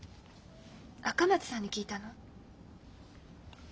赤松さんに聞いたの？